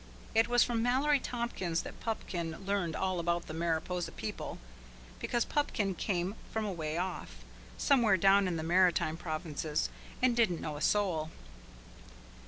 It was from Mallory Tompkins that Pupkin learned all about the Mariposa people, because Pupkin came from away off somewhere down in the Maritime Provinces and didn't know a soul.